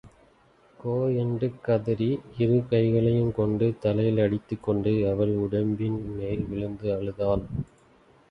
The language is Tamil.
கோ என்று கதறி இரு கைகளையும் கொண்டு தலையில் அடித்துக் கொண்டு அவன் உடம்பின் மேல் விழுந்து அழுதாள்.